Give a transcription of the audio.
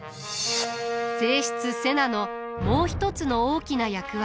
正室瀬名のもう一つの大きな役割。